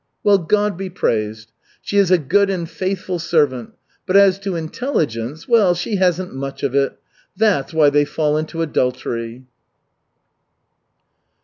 "Well, God be praised. She is a good and faithful servant, but as to intelligence well, she hasn't much of it. That's why they fall into adultery."